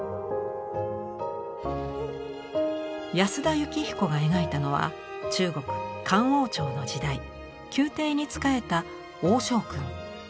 安田靫彦が描いたのは中国漢王朝の時代宮廷に仕えた王昭君。